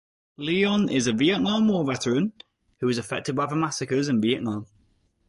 Leon is a Vietnam War veteran who is affected by the massacres in Vietnam.